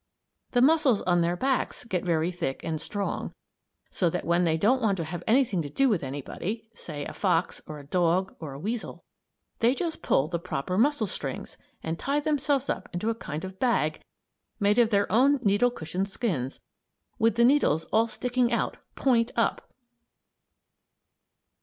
The muscles on their backs get very thick and strong, so that when they don't want to have anything to do with anybody say a fox, or a dog, or a weasel they just pull the proper muscle strings and tie themselves up into a kind of bag made of their own needle cushion skins, with the needles all sticking out, point up!